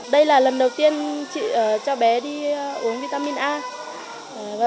đây là lần đầu tiên cho bé đi uống vitamin a